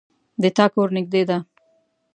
د تا کور نږدې ده